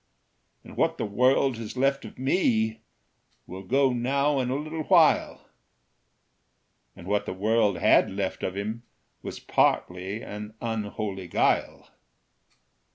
"And what the world has left of me Will go now in a little while." And what the world had left of him Was partly an unholy guile.